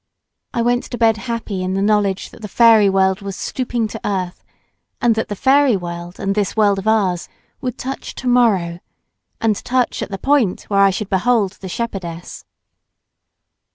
I went to bed happy in the knowledge that the fairy world was stooping to earth, and that the fairy world and this world of ours would touch to morrow, and touch at the point where I should behold the shepherdess.